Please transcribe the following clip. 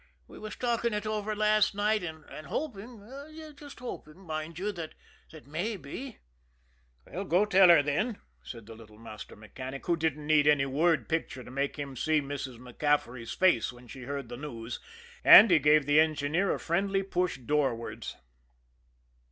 We was talking it over last night, and hoping just hoping, mind you, that mabbe " "Go tell her, then," said the little master mechanic, who didn't need any word picture to make him see Mrs. MacCaffery's face when she heard the news and he gave the engineer a friendly push doorwards.